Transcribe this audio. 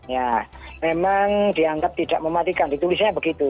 ya memang dianggap tidak mematikan ditulisnya begitu